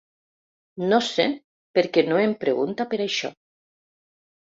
No sé per què no em pregunta per això?